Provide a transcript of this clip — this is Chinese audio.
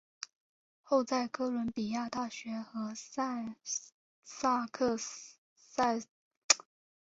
后在哥伦比亚大学和萨塞克斯大学担任客座教授。